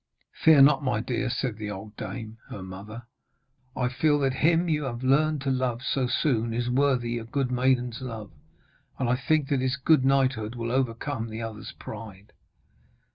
'Fear not, my dear,' said the old dame, her mother. 'I feel that him you have learned to love so soon is worthy a good maiden's love, and I think that his good knighthood will overcome the other's pride.'